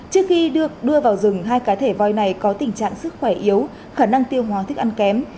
trước khi được đưa vào rừng hai cá thể voi này có tình trạng sức khỏe yếu khả năng tiêu hóa thức ăn kém